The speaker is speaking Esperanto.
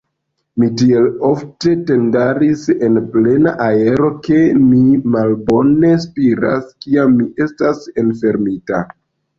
Mi tiel ofte tendaris en plena aero, ke mi malbone spiras, kiam mi estas enfermita.